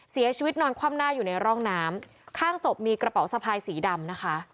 นอนคว่ำหน้าอยู่ในร่องน้ำข้างศพมีกระเป๋าสะพายสีดำนะคะ